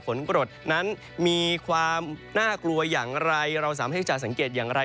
กรดนั้นมีความน่ากลัวอย่างไรเราสามารถให้จะสังเกตอย่างไร